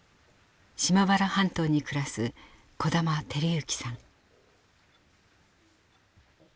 島原半島に暮らす小玉輝幸さん。